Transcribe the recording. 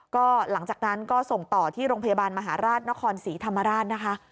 ก็หลังจากนั้นก็ส่งต่อที่โรงพยาบาลมหาราชนครศรีธรรมราชนะคะ